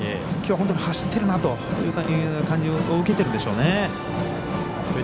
きょうは本当に走っているなという感じを受けてるでしょうね。